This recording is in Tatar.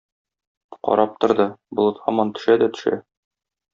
Карап торды, болыт һаман төшә дә төшә.